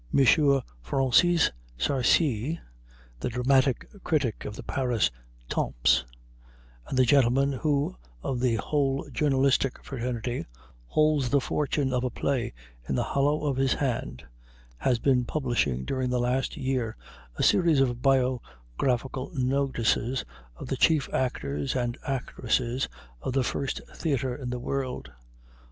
Francisque Sarcey, the dramatic critic of the Paris "Temps," and the gentleman who, of the whole journalistic fraternity, holds the fortune of a play in the hollow of his hand, has been publishing during the last year a series of biographical notices of the chief actors and actresses of the first theater in the world.